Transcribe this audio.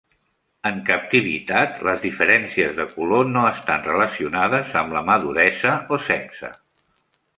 En captivitat, les diferències de color no estan relacionades amb la maduresa o sexe.